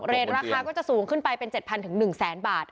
เรทราคาก็จะสูงขึ้นไปเป็น๗๐๐๐๑๐๐๐๐๐บาท